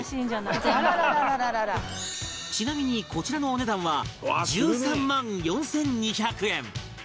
ちなみにこちらのお値段は１３万４２００円